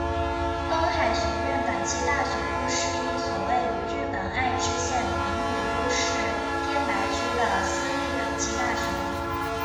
东海学园短期大学部是一所位于日本爱知县名古屋市天白区的私立短期大学。